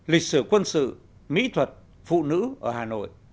lịch sử quân sự mỹ thuật phụ nữ ở hà nội